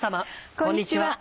こんにちは。